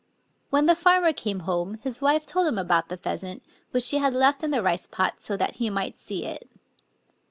When the farmer came home his wife told him about the pheasant, which she had left in the rice pot, so that he might see it.